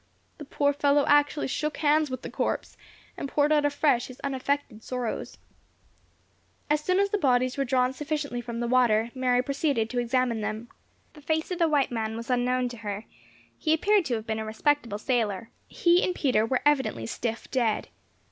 The poor fellow actually shook hands with the corpse, and poured out afresh his unaffected sorrows. [#] Howdye. As soon as the bodies were drawn sufficiently from the water, Mary proceeded to examine them. The face of the white man was unknown to her, he appeared to have been a respectable sailor. He and Peter were evidently stiff dead.